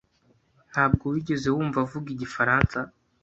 Ntabwo wigeze wumva avuga igifaransa?